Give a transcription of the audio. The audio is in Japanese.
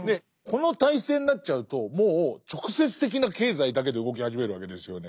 この体制になっちゃうともう直接的な経済だけで動き始めるわけですよね。